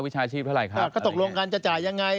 จะต้องตกลงกันจะจ่ายยังไง